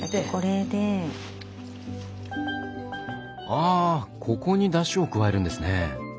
あここにだしを加えるんですね。